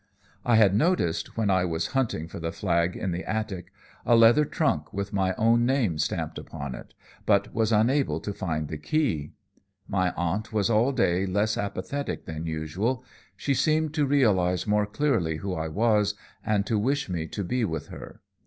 "I had noticed, when I was hunting for the flag in the attic, a leather trunk with my own name stamped upon it, but was unable to find the key. My aunt was all day less apathetic than usual; she seemed to realize more clearly who I was, and to wish me to be with her.